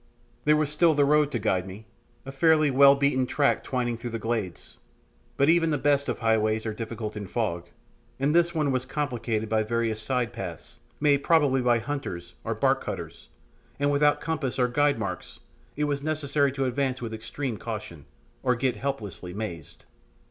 There was still the road to guide me, a fairly well beaten track twining through the glades; but even the best of highways are difficult in fog, and this one was complicated by various side paths, made probably by hunters or bark cutters, and without compass or guide marks it was necessary to advance with extreme caution, or get helplessly mazed.